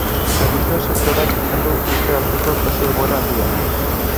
Zerbitzuen sektoreak izan du urte arteko tasa igoera handiena.